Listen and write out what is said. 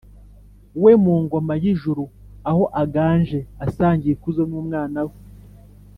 we mu ngoma y’ijuru, aho aganje asangiye ikuzo n’umwana we.